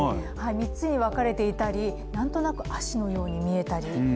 ３つに分かれていたり、なんとなく足のように見えていたり。